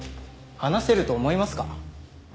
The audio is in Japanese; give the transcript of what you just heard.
話せると思いますか？